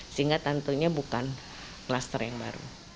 sehingga tentunya bukan kluster yang baru